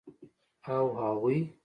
او اغوئ.